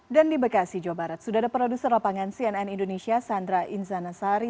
dan di bekasi jawa barat sudah ada produser lapangan cnn indonesia sandra inzana sari